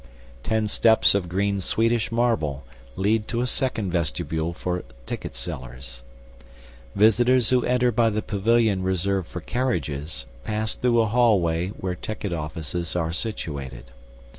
Ten steps of green Swedish marble lead to a second vestibule for ticket sellers. Visitors who enter by the pavilion reserved for carriages pass through a hallway where ticket offices are situated.